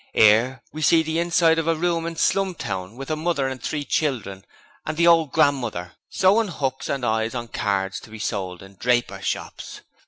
'Ere we see the inside of a room in Slumtown, with a mother and three children and the old grandmother sewin' hooks and eyes on cards to be sold in drapers' shops.